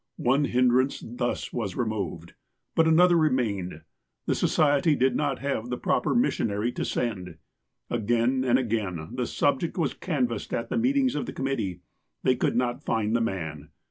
One hindrance thus was removed. But another re mained. The Society did not have the proper missionary to send. Again and again the subject was canvassed at the meetings of the committee. They could not find the man.